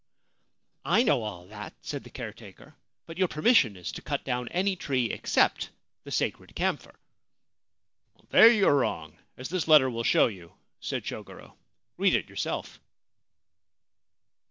c I know all that,' said the caretaker ;' but your permis sion is to cut down any tree except the sacred camphor.' 1 There you are wrong, as this letter will show you,' said Chogoro ;' read it yourself.'